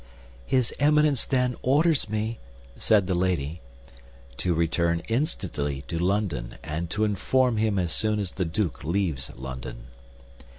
"His Eminence, then, orders me—" said the lady. "To return instantly to England, and to inform him as soon as the duke leaves London."